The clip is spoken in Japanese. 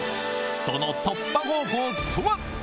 その突破方法とは？